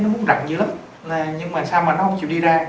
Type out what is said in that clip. nó rằm dữ lắm nhưng mà sao mà nó không chịu đi ra